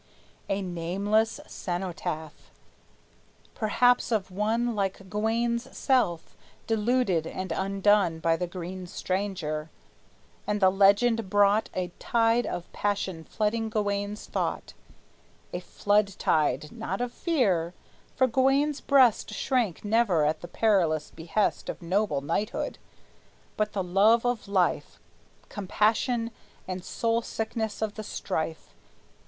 A nameless cenotaph! perhaps of one Like Gawayne's self deluded and undone By the green stranger; and the legend brought A tide of passion flooding Gawayne's thought; A flood tide, not of fear, for Gawayne's breast Shrank never at the perilous behest Of noble knighthood, but the love of life, Compassion, and soul sickness of the strife.